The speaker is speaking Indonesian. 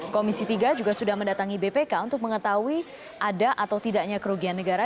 komisi tiga juga sudah mendatangi bpk untuk mengetahui ada atau tidaknya kerugian negara